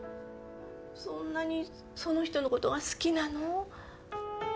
そんなにその人の事が好きなの？